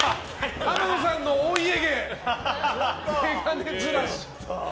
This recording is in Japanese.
天野さんのお家芸眼鏡ずらし。